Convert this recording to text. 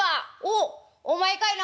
「おっお前かいな。